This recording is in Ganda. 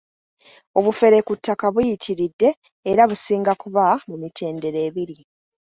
Obufere ku ttaka buyitiridde era businga kuba mu mitendera ebiri.